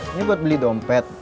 ini buat beli dompet